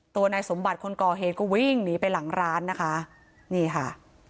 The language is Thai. นายสมบัติคนก่อเหตุก็วิ่งหนีไปหลังร้านนะคะนี่ค่ะ